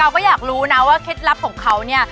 เราก็อยากรู้นะว่าเคล็ดลับของเขาเนี่ย